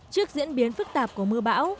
trước diễn biến phức tạp của mưa bão